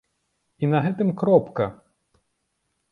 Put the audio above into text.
І на гэтым кропка!